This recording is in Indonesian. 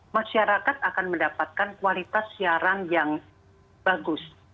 masyarakat akan mendapatkan kualitas siaran yang bagus